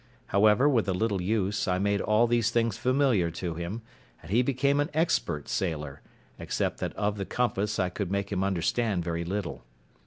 However, with a little use, I made all these things familiar to him, and he became an expert sailor, except that of the compass I could make him understand very little.